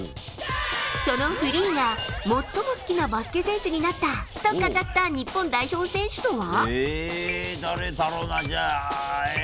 そのフリーが、最も好きなバスケ選手になったと語った日本代表選手とは？